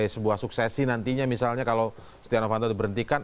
sebagai sebuah suksesi nantinya misalnya kalau setia novanta diberhentikan